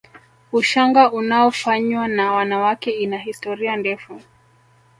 Ushanga unaofanywa na wanawake ina historia ndefu